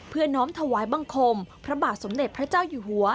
น้อมถวายบังคมพระบาทสมเด็จพระเจ้าอยู่หัว